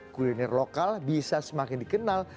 kuliner lokal bisa semakin dikenal